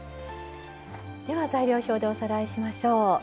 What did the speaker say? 材料表でおさらいしましょう。